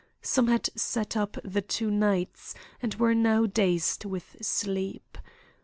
Some had sat up the two nights, and were now dazed with sleep.